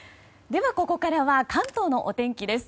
ではここからは関東のお天気です。